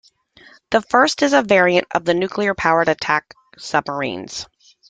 The first is a variant of the nuclear-powered attack submarines.